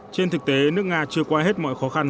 trên thực tế nước nga chưa qua hết mọi khó khăn